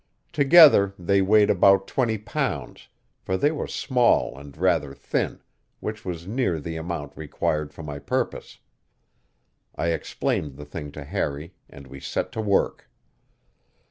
Together they weighed about twenty pounds for they were small and rather thin which was near the amount required for my purpose. I explained the thing to Harry, and we set to work.